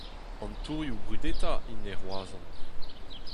An tourioù brudetañ int e Roazhon.